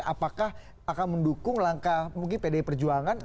apakah akan mendukung langkah mungkin pdi perjuangan